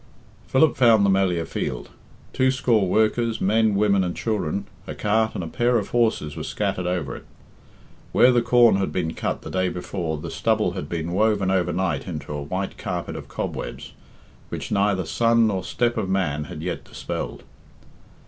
Philip found the Melliah field. Two score workers, men, women, and children, a cart and a pair of horses were scattered over it. Where the corn had been cut the day before the stubble had been woven overnight into a white carpet of cobwebs, which neither sun nor step of man had yet dispelled.